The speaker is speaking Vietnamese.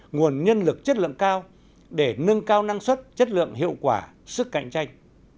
nguồn nhân lực chất lượng cao để nâng cao năng suất chất lượng hiệu quả sức cạnh tranh